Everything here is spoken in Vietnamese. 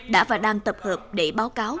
đã và đang tập hợp để báo cáo